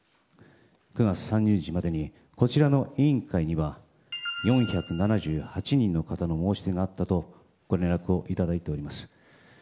９月３０日までにこちらの委員会には４７８人の方の申し出があったとご連絡をいただいております。